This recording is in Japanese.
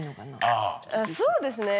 あそうですね。